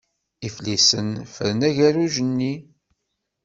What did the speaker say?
Iflisen ffren agerruj-nni.